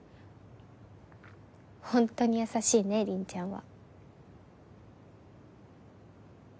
ホントに優しいね凛ちゃんは。